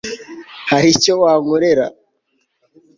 Hari icyo wankorera